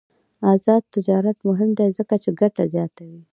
آزاد تجارت مهم دی ځکه چې ګټه زیاتوي.